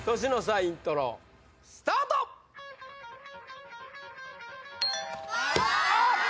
イントロスタートあっと！